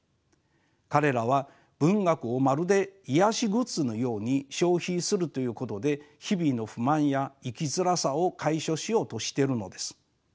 彼らは文学をまるで癒やしグッズのように消費するということで日々の不満や生きづらさを解消しようとしてるのです。